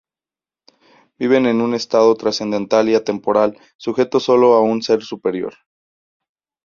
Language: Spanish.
Viven en un estado trascendental y atemporal sujetos sólo a un Ser Superior.